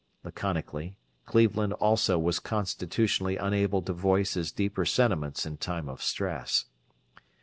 Laconically. Cleveland also was constitutionally unable to voice his deeper sentiments in time of stress.